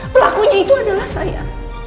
pelakunya itu adalah saya